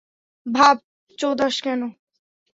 ভাব চোদাস কেন?